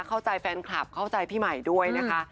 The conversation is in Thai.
เข้าใจแฟนคลับเข้าใจพี่ใหม่ด้วยนะคะ